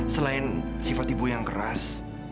selain sifat ibu yang keras